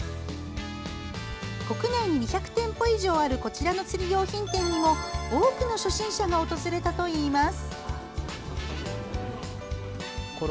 国内に２００店舗以上あるこちらの釣り用品店にも多くの初心者が訪れたといいます。